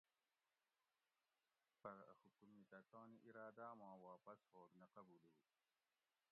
پرہ حُکومِت اۤ تانی اِراداۤ ما واپس ہوگ نہ قبُولوُ